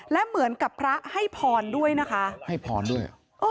และเหมือนกับพระให้พรด้วยนะคะให้พรด้วย